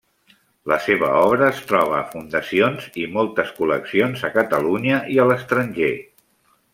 La seva obra es troba a fundacions i moltes col·leccions a Catalunya i a l'estranger.